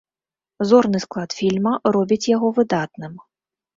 Зорны склад фільма робіць яго выдатным.